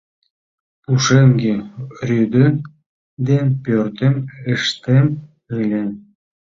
Пушеҥге рӱдӧ ден пӧртым ыштем ыле.